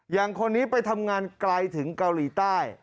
อย่างคนนี้ไปทำงานไกลถึงเกาหลีใต้